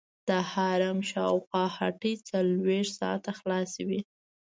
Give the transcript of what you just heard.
د حرم شاوخوا هټۍ څلورویشت ساعته خلاصې وي.